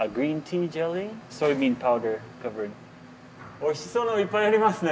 おいしそうなのがいっぱいありますね。